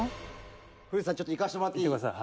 古市さんちょっといかせてもらっていい？